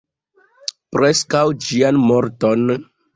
Preskaŭ ĝian morton.